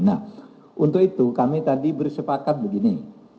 nah untuk itu kami tadi bersepakat begini